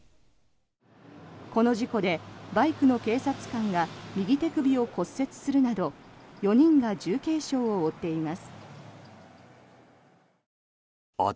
この事故で、バイクの警察官が右手首を骨折するなど４人が重軽傷を負っています。